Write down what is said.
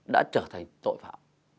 đã trở thành tội phạm